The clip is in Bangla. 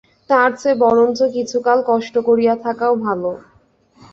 তার চেয়ে বরঞ্চ কিছুকাল কষ্ট করিয়া থাকাও ভালো।